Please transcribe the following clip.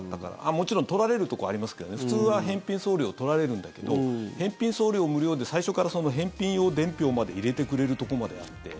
もちろん取られるところはありますけどね普通は返品送料取られるんだけど返品送料無料で最初から返品用伝票まで入れてくれるところまであって。